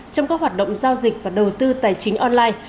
trong các hoạt động giao dịch và đầu tư tài chính online